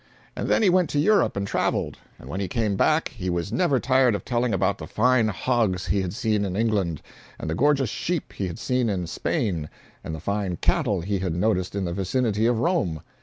And then he went to Europe and traveled. And when he came back he was never tired of telling about the fine hogs he had seen in England, and the gorgeous sheep he had seen in Spain, and the fine cattle he had noticed in the vicinity of Rome.